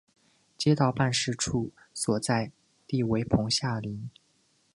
街道办事处所在地为棚下岭。